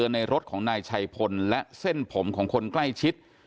ในรถของนายชัยพลและเส้นผมของคนใกล้ชิด